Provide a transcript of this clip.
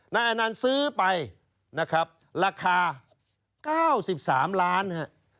นายอันนั่นซื้อไปนะครับราคา๙๓ล้านครับ